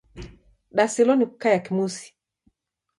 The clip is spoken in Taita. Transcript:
Dasilwa ni kukaia kimusi